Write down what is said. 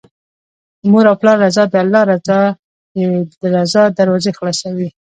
د مور او پلار رضا د الله تعالی د رضا دروازې خلاصوي